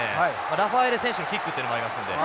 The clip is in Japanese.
ラファエレ選手のキックっていうのもありますので。